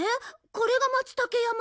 これが松たけ山？